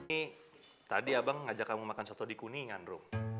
ini tadi abang ngajak kamu makan soto di kuningan dong